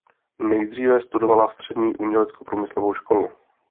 Nejdříve studovala střední uměleckoprůmyslovou školu.